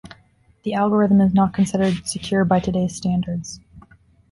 The algorithm is not considered secure by today's standards.